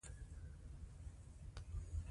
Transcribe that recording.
د موزیمونو ساتنه او درناوی وکړئ.